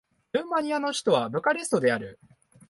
ルーマニアの首都はブカレストである